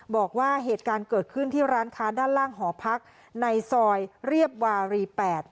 บอกว่าเหตุการณ์เกิดขึ้นที่ร้านค้าด้านล่างหอพักในซอยเรียบวารี๘